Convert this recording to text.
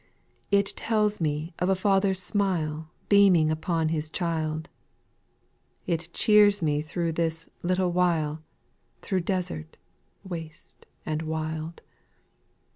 8. It tells me of a Father's smile, Beaming upon His child ; It cheers me through this " little while, Through desert, waste, and wild.